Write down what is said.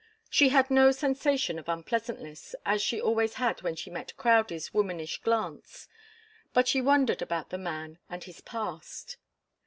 She had no sensation of unpleasantness, as she always had when she met Crowdie's womanish glance; but she wondered about the man and his past.